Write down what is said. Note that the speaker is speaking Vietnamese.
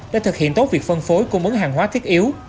để thực hiện tốt việc phân phối cung ứng hàng hóa thiết yếu